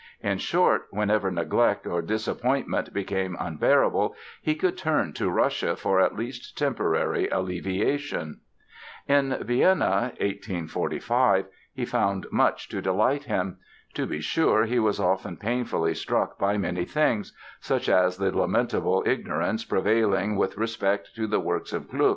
In short, whenever neglect or disappointment became unbearable he could turn to Russia for at least temporary alleviation. In Vienna (1845) he found much to delight him. To be sure he was often painfully struck by many things, such as the lamentable "ignorance prevailing with respect to the works of Gluck".